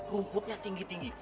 rumputnya tinggi tinggi